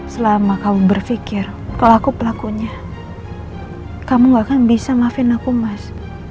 selama kamu berpikir kalau aku pelakunya kamu enggak akan bisa maafin aku mas